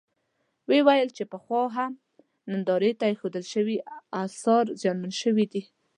وویل چې پخوا هم نندارې ته اېښودل شوي اثار زیانمن شوي دي.